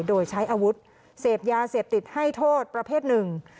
โดยใช้อาวุธเสพยาเสพติดให้โทษประเภทหนึ่ง